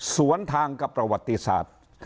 สวนทางกับประวัติศาสตร์